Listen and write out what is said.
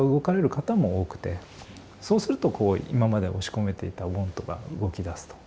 そうするとこう今まで押し込めていた「ｗａｎｔ」が動きだすと。